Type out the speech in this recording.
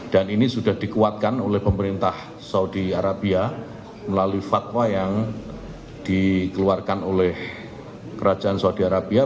dan ini sudah dikuatkan oleh pemerintah saudi arabia melalui fatwa yang dikeluarkan oleh kerajaan saudi arabia